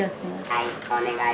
はい。